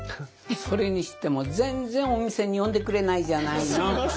それにしても全然お店に呼んでくれないじゃないの！